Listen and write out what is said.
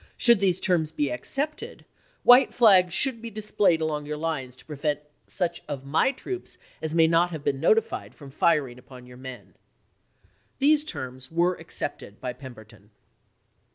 Should these terms be accepted, white flags should be displayed along your lines to prevent J^f1^ such of my troops as may not have been notified Voi!xxiv., from firing upon your men." These terms were FpT.\^" accepted by Pemberton.